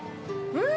うん。